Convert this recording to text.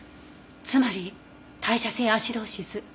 つまり代謝性アシドーシス。